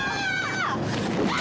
・あ！